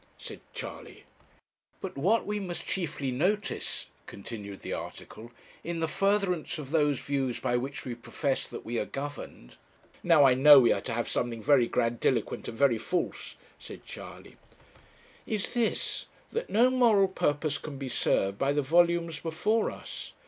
said Charley. 'But what we must chiefly notice,' continued the article, 'in the furtherance of those views by which we profess that we are governed ' 'Now, I know, we are to have something very grandiloquent and very false,' said Charley. ' Is this: that no moral purpose can be served by the volumes before us.